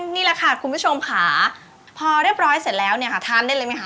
นี่แหละค่ะคุณผู้ชมค่ะพอเรียบร้อยเสร็จแล้วเนี่ยค่ะทานได้เลยไหมค